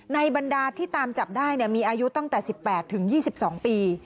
บรรดาที่ตามจับได้มีอายุตั้งแต่๑๘ถึง๒๒ปี